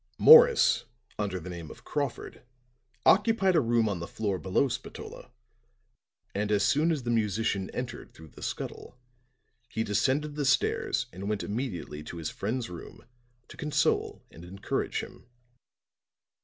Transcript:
"Morris, under the name of Crawford, occupied a room on the floor below Spatola; and as soon as the musician entered through the scuttle, he descended the stairs and went immediately to his friend's room to console and encourage him.